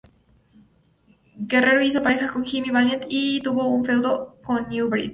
Guerrero hizo pareja con Jimmy Valiant y tuvo un feudo con New Breed.